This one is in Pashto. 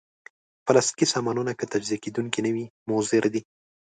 پلاستيکي سامانونه که تجزیه کېدونکي نه وي، مضر دي.